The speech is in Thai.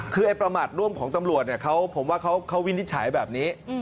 คือประหมาตรร่วมของตำรวจผมว่าเขาวินิจฉัยแบบนี้